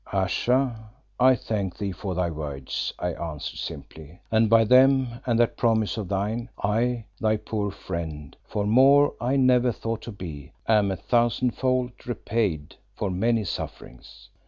"Ayesha, I thank thee for thy words," I answered simply, "and by them and that promise of thine, I, thy poor friend for more I never thought to be am a thousandfold repaid for many sufferings.